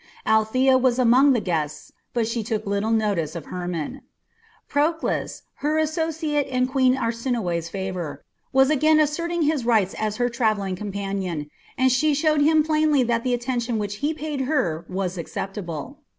Althea was among the guests, but she took little notice of Hermon. Proclus, her associate in Queen Arsinoe's favour, was again asserting his rights as her travelling companion, and she showed him plainly that the attention which he paid her was acceptable.